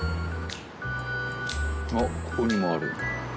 あっここにもある。